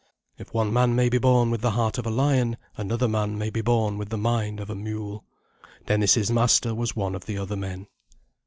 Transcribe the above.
If one man may be born with the heart of a lion, another man may be born with the mind of a mule. Dennis's master was one of the other men.